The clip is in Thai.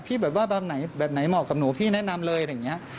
พี่แบบว่าแบบไหนเหมาะกับหนูพี่แนะนำเลย